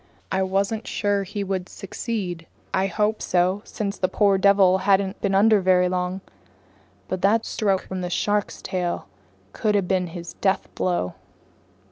I wasn't sure he would succeed. I hoped so, since the poor devil hadn't been under very long. But that stroke from the shark's tail could have been his deathblow.